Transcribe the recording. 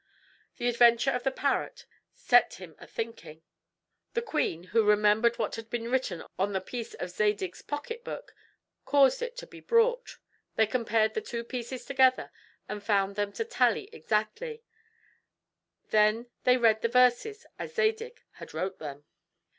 The adventure of the parrot set him a thinking. The queen, who remembered what had been written on the piece of Zadig's pocketbook, caused it to be brought. They compared the two pieces together and found them to tally exactly; they then read the verses as Zadig had wrote them.